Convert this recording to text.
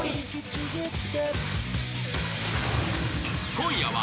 ［今夜は］